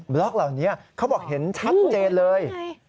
บล็อกเหล่านี้เขาบอกเห็นชัดเจนเลย